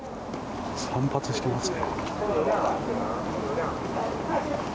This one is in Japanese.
散髪してますね。